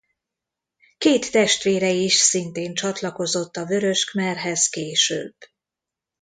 Két testvére is szintén csatlakozott a Vörös Khmerhez később.